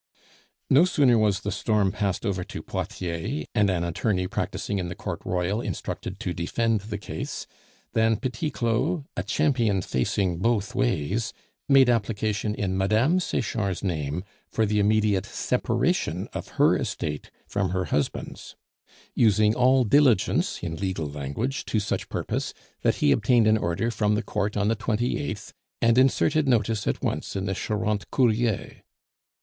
No sooner was the storm passed over to Poitiers, and an attorney practising in the Court Royal instructed to defend the case, than Petit Claud, a champion facing both ways, made application in Mme. Sechard's name for the immediate separation of her estate from her husband's; using "all diligence" (in legal language) to such purpose, that he obtained an order from the court on the 28th, and inserted notice at once in the Charente Courier.